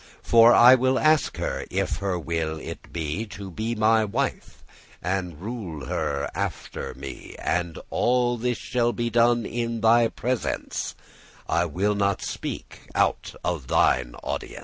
*conference For I will ask her, if her will it be To be my wife, and rule her after me: And all this shall be done in thy presence, I will not speak out of thine audience."